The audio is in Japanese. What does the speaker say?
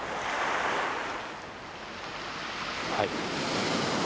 はい。